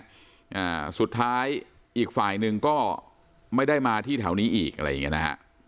อ่าสุดท้ายอีกฝ่ายหนึ่งก็ไม่ได้มาที่แถวนี้อีกอะไรอย่างเงี้นะฮะ